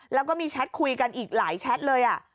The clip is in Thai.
แล้วก็มีทราบคุยกันอีกหลายแชตเลยอ่ะ